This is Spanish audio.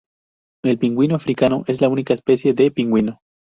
El Pingüino Africano es la única especie de pingüino.